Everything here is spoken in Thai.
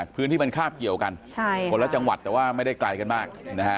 พื้นที่มันคาบเกี่ยวกันคนละจังหวัดแต่ว่าไม่ได้ไกลกันมากนะฮะ